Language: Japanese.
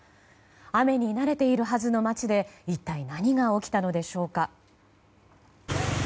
雨に慣れているはずの町で一体何が起きたのでしょうか。